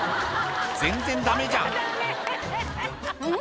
全然ダメじゃんうん？